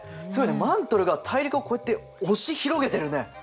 すごいねマントルが大陸をこうやって押し広げてるね。